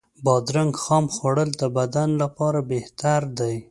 بادرنګ خام خوړل د بدن لپاره بهتر دی.